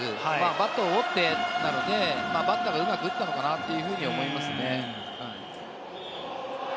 バットを折っていたので、バッターがうまく打ったのかなと思います。